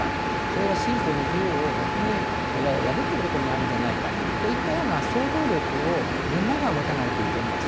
それは信教の自由を逆に破っていることになるんじゃないかといったような想像力をみんなが持たないといけない。